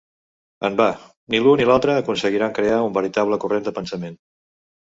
En va, ni l'u ni l'altre aconseguiran crear un veritable corrent de pensament.